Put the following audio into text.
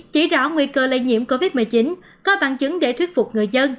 chỉ rõ nguy cơ lây nhiễm covid một mươi chín có bằng chứng để thuyết phục người dân